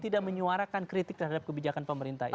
tidak menyuarakan kritik terhadap kebijakan pemerintah itu